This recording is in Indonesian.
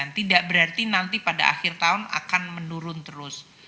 tidak berarti nanti pada akhir tahun akan menurun terus